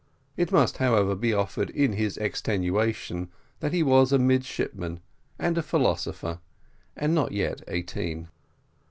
It must, however, be offered in his extenuation that he was a midshipman and a philosopher, and not yet eighteen.